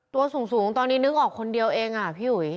ตัวสูงตอนนี้นึกออกคนเดียวเองอ่ะพี่อุ๋ย